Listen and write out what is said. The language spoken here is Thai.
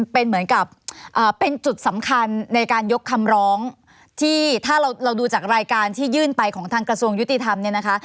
เป็นเหมือนกับเป็นจุดสำคัญในการยกคำร้องที่ถ้าเราดูจากรายการที่ยื่นไปของทางกระทรวงยุติธรรมเนี่ยนะคะ